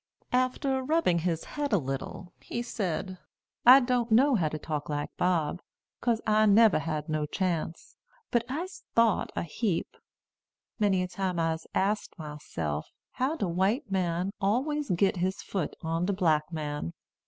After rubbing his head a little, he said: "I don't know how to talk like Bob, 'cause I neber had no chance. But I'se thought a heap. Many a time I'se axed myself how de white man always git he foot on de black man.